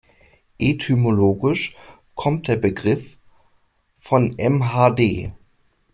Etymologisch kommt der Begriff von mhd.